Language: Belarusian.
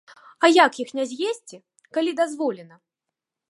А як іх не з'есці, калі дазволена?